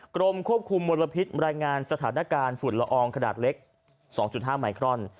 กรมควบคุมมลพิษรายงานสถานการณ์ฝุ่นละอองขนาดเล็ก๒๕ไมครอน